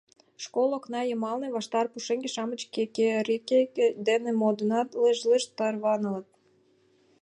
Школ окна йымалне ваштар пушеҥге-шамыч кекерекышт дене модыныт, лыж-лыж тарванылыныт.